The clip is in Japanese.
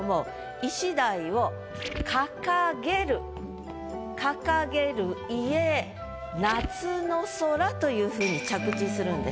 「石鯛を掲げる」「掲げる遺影夏の空」というふうに着地するんです。